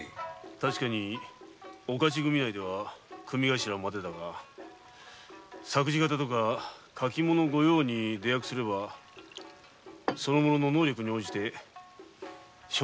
確かにお徒組内では組頭までだが作事方とか書き物御用に出役すればその後の能力に応じて昇進する事ができる。